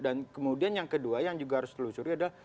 dan kemudian yang kedua yang juga harus telusuri adalah